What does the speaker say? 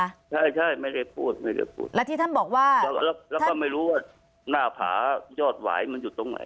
ใช่ใช่ไม่ได้พูดไม่ได้พูดแล้วที่ท่านบอกว่าแล้วก็ไม่รู้ว่าหน้าผายอดหวายมันอยู่ตรงไหน